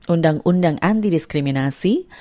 undang undang anti diskriminasi